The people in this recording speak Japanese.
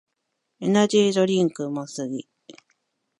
エナジードリンクうますぎ